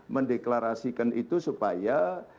mendeklarasikan itu supaya